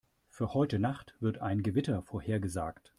Für heute Nacht wird ein Gewitter vorhergesagt.